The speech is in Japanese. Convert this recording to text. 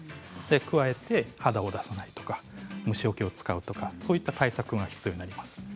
加えて肌を出さないとか、虫よけを使うとか対策が必要になります。